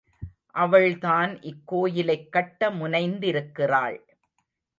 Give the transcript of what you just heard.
அவள்தான் இக்கோயிலைக் கட்ட முனைந்திருக்கிறாள்.